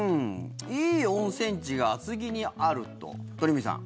いい温泉地が厚木にあると、鳥海さん。